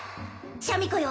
シャミ子よ